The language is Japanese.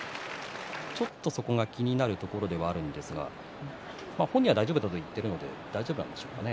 ちょっと、そこが気になるところではあるんですが本人は大丈夫だと言っているので大丈夫なんでしょうね。